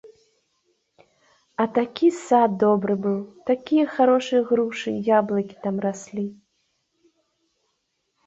А такі сад добры быў, такія харошыя грушы і яблыкі там раслі.